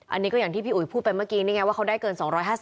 อันนี้ก็อย่างที่พี่อุ๋ยพูดไปเมื่อกี้นี่ไงว่าเขาได้เกิน๒๕๐